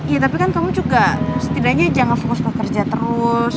ya tapi kan kamu juga setidaknya jangan fokus ke kerja terus